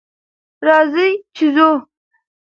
راځئ چې ځو!